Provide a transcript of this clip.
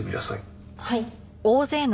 はい。